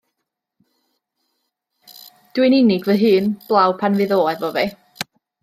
Dw i'n unig fy hun 'blaw pan fydd o efo fi.